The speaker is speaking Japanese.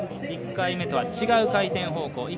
１回目とは違う回転方向